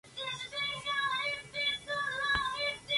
Con esto terminó el primer periodo de asentamiento en Wismar.